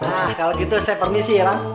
nah kalau gitu saya permisi ya kang